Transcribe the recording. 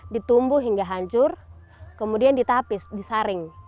ditumbuh hingga hancur kemudian ditapis disaring